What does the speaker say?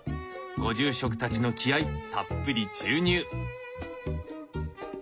ご住職たちの気合いたっぷり注入！